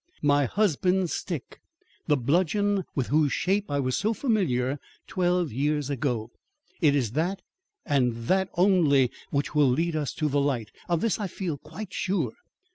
My husband's stick! the bludgeon with whose shape I was so familiar twelve years ago! It is that and that only which will lead us to the light. Of this I feel quite sure."